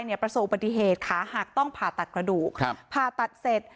เนี้ยประสบุปติเหตุค่ะหากต้องผ่าตัดกระดูกพาตัดเสร็จ